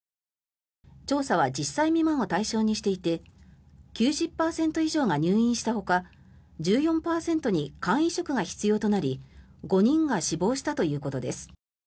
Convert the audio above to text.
調査は１０歳未満を対象にしていて９０％以上が入院したほか１４％に肝移植が必要となり５人が死亡したということです。